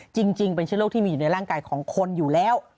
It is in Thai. จริงเป็นเชื้อโรคที่มีอยู่ในร่างกายของคนอยู่แล้ว